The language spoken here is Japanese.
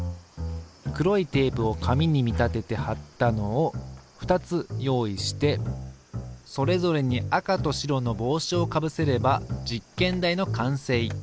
黒いテープをかみに見立ててはったのを２つ用意してそれぞれに赤と白の帽子をかぶせれば実験台の完成。